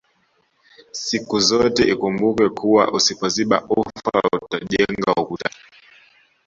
Sikuzote ikumbukwe kuwa usipoziba ufa utajenga ukuta